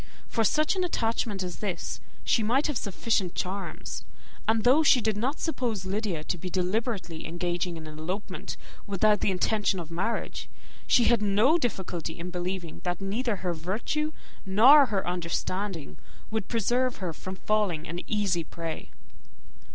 For such an attachment as this, she might have sufficient charms; and though she did not suppose Lydia to be deliberately engaging in an elopement, without the intention of marriage, she had no difficulty in believing that neither her virtue nor her understanding would preserve her from falling an easy prey.